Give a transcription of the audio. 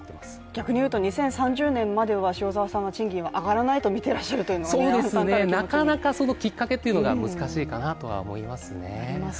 逆に言うと２０３０年までは、塩澤さんは賃金が上がらないとみてらっしゃるというのが。なかなか、そのきっかけが難しいかなとは思いますね。